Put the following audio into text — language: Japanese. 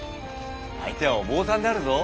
相手はお坊さんであるぞ。